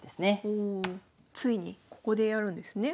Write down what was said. おおついにここでやるんですね。